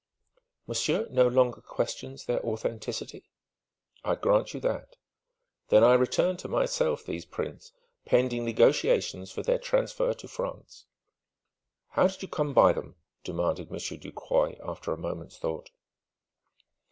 "Monsieur no longer questions their authenticity?" "I grant you that." "Then I return to myself these prints, pending negotiations for their transfer to France." "How did you come by them?" demanded Monsieur Ducroy, after a moment's thought.